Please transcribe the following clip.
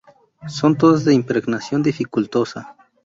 Son todas de impregnación dificultosa.